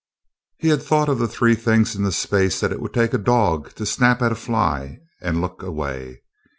He had thought of the three things in the space that it would take a dog to snap at a fly and look away.